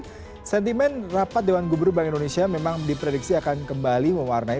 oke sentimen rapat dewan gubernur bank indonesia memang diprediksi akan kembali mewarnai